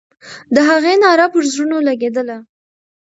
د هغې ناره پر زړونو لګېدله.